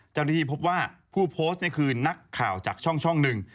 เจ้าหน้าที่พบว่าผู้โพสต์นี่คือนักข่าวจากช่องหนึ่ง